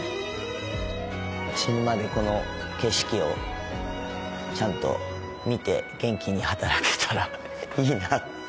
死ぬまでこの景色をちゃんと見て元気に働けたらいいなあって。